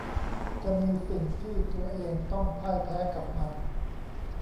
จะมีสิ่งที่ตัวเองต้องพ่ายแพ้กับมัน